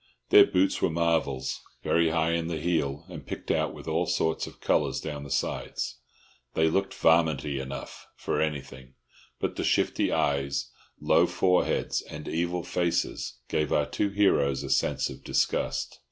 Their boots were marvels, very high in the heel and picked out with all sorts of colours down the sides. They looked "varminty" enough for anything; but the shifty eyes, low foreheads, and evil faces gave our two heroes a sense of disgust.